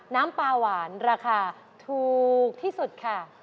น้ำปลาหวานราคาถูกที่สุดค่ะ